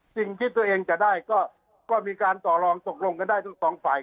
สิ่งที่ตัวเองจะได้ก็มีการต่อลองตกลงกันได้ทั้งสองฝ่าย